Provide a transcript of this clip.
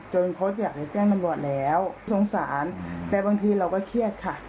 จนเขาอยากให้แจ้งมันหมดแล้วสงสารแต่บางทีเราก็เครียดค่ะ